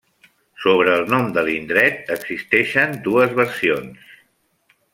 Sobre el nom de l'indret existeixen dues versions.